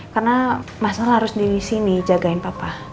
karena masalah harus di sini jagain papa